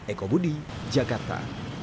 eko budi jakarta